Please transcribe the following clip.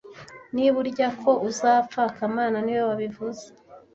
Niba urya ko uzapfa kamana niwe wabivuze